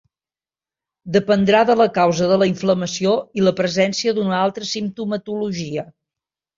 Dependrà de la causa de la inflamació i la presència d'una altra simptomatologia.